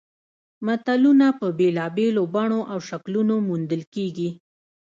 متلونه په بېلابېلو بڼو او شکلونو موندل کیږي